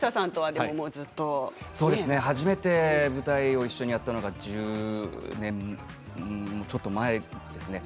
初めて舞台を一緒にやったのが１０年前１０年ちょっと前ですね